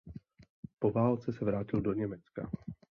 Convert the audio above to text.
Po válce se navrátil do Německa.